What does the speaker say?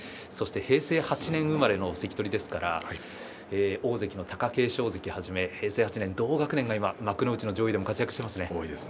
平成８年生まれの関取ですから大関の貴景勝関をはじめ平成８年、同学年が今幕内上位でも活躍されていますね。